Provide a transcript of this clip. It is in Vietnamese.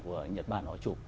của nhật bản họ chụp